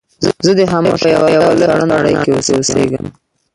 زه د خاموشۍ په يوه لويه او سړه نړۍ کې اوسېږم.